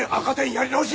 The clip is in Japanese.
やり直し！